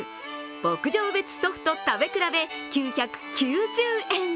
牧場別ソフト食べ比べ９９０円。